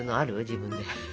自分で。